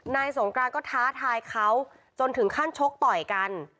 สงกรานก็ท้าทายเขาจนถึงขั้นชกต่อยกัน